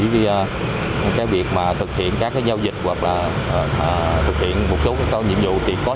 với việc thực hiện các giao dịch hoặc là thực hiện một số nhiệm vụ